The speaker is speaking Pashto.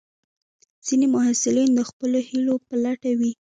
ځینې محصلین د خپلو هیلو په لټه وي.